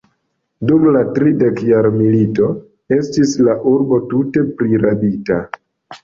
Dum la tridekjara milito estis la urbo tute prirabita.